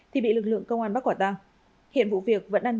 thì bị lực lượng công an bác quả tăng hiện vụ việc vẫn đang được điều tra làm rõ